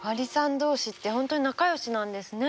同士って本当に仲良しなんですね。